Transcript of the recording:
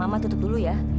mama tutup dulu ya